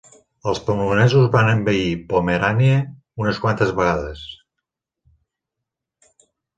Els polonesos van envair Pomerània unes quantes vegades.